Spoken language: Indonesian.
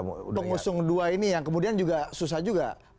pengusung dua ini yang kemudian juga susah juga